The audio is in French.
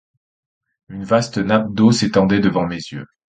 Une vaste nappe d’eau s’étendait devant mes yeux.